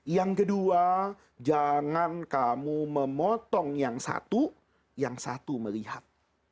yang kedua jangan kamu memotong yang satu yang satu melihat